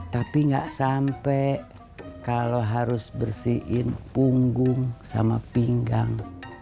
tapi nggak sampai kalau harus bersihin punggung sama pinggang